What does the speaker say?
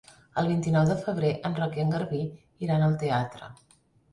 El vint-i-nou de febrer en Roc i en Garbí iran al teatre.